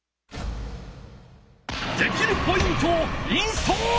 できるポイントをインストール！